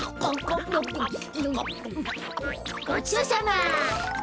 ごちそうさま！